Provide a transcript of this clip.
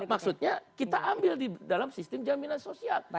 maksudnya kita ambil di dalam sistem jaminan sosial